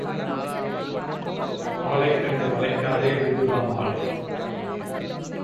ஆளைக் கண்டு மலைக்காதே ஊது காமாலை.